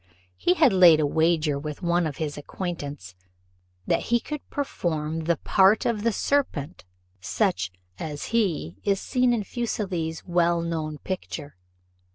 He had laid a wager with one of his acquaintance, that he could perform the part of the serpent, such as he is seen in Fuseli's well known picture.